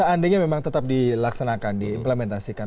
apakah andainya memang tetap dilaksanakan diimplementasikan